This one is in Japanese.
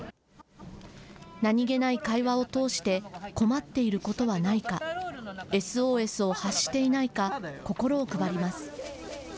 何気ない会話を通して困っていることはないかＳＯＳを発していないか心を配ります。